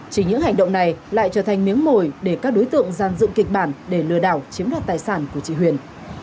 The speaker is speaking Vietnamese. chỉ những hành động này lại trở thành miếng mồi để các đối tượng gian dựng kịch bản để lừa đảo chiếm đoạt tài sản của chị huyền